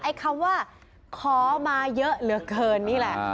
คำว่าขอมาเยอะเหลือเกินนี่แหละ